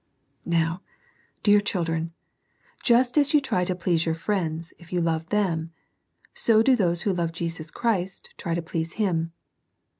Now, dear children, just as you try to please your friends, if you love them, so do those who love Jesus Christ try to please Him.